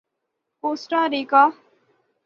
کوسٹا ریکا